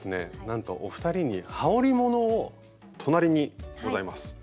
なんとお二人にはおりものを隣にございます